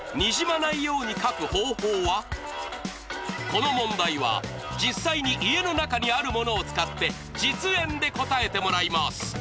この問題は実際に家の中にあるものを使って実演で答えてもらいます